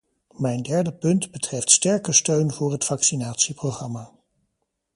Mijn derde punt betreft sterke steun voor het vaccinatieprogramma.